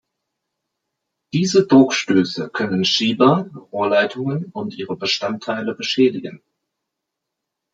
Diese Druckstöße können Schieber, Rohrleitungen und ihre Bestandteile beschädigen.